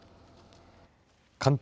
関東